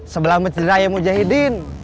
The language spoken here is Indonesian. sebelah mecederaya mujahidin